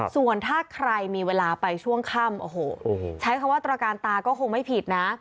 ส่วนถ้าใครมีเวลาไปช่วงค่ำโอ้โหใช้คำว่าตรการตาก็คงไม่ผิดนะ